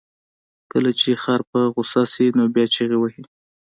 کله چې خر په غوسه شي، نو بیا چغې وهي.